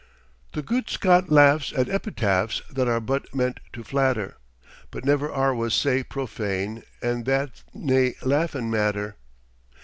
The gude Scot laughs at epitaphs that are but meant to flatter, But never are was sae profane, an' that's nae laughin' matter.